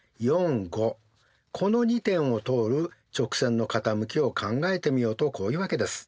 この２点を通る直線の傾きを考えてみようとこういうわけです。